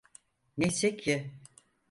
Neyse ki.